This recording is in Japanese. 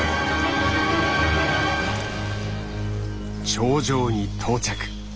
頂上に到着。